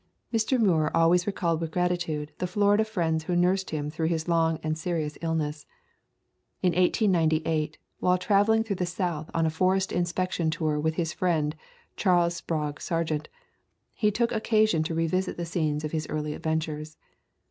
Mr. Muir always recalled with gratitude the { xxii ] Lntroduction Florida friends who nursed him through his long and serious illness. In 1898, while travel ing through the South on a forest inspection tour with his friend Charles Sprague Sargent, he took occasion to revisit the scenes of his early adventures.